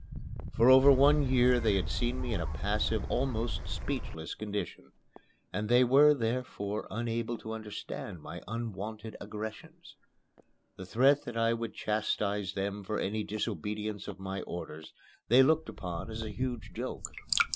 For over one year they had seen me in a passive, almost speechless condition, and they were, therefore, unable to understand my unwonted aggressions. The threat that I would chastise them for any disobedience of my orders they looked upon as a huge joke.